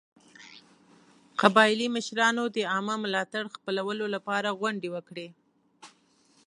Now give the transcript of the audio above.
قبایلي مشرانو د عامه ملاتړ خپلولو لپاره غونډې وکړې.